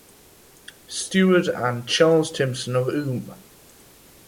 Stewart and Charles Timson of Wm.